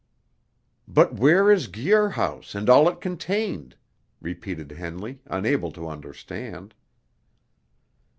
"But where is Guir House, and all it contained?" repeated Henley, unable to understand.